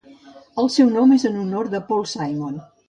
El seu nom és en honor a Paul Simon.